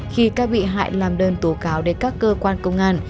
khi các bị hại làm đơn tố cáo đến các cơ quan công an